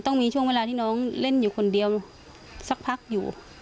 ต้องมีช่วงเวลาที่น้องเล่นอยู่คนเดียวสักพักอยู่